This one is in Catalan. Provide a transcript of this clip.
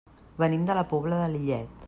Venim de la Pobla de Lillet.